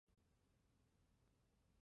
作品擅长处理心理问题。